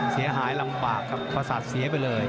เสียหายลำบากครับประสาทเสียไปเลย